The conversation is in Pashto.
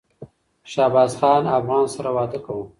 شهبازخان افغان سره واده کوم